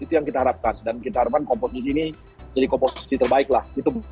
itu yang kita harapkan dan kita harapkan komposisi ini jadi komposisi terbaik lah